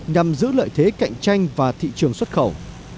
nhằm giữ lợi thế cạnh tranh và thị trường xuất khẩu